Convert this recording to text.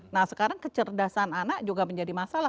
nah sekarang kecerdasan anak juga menjadi masalah